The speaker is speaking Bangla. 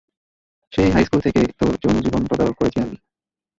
সেই হাইস্কুল থেকে তোর যৌন জীবন তদারক করেছি আমি।